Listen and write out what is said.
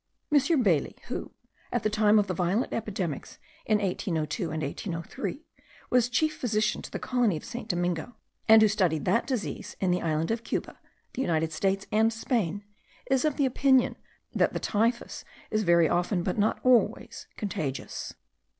M. Bailly, who, at the time of the violent epidemics in 1802 and 1803, was chief physician to the colony of St. Domingo, and who studied that disease in the island of Cuba, the United States, and Spain, is of opinion that the typhus is very often, but not always, contagious.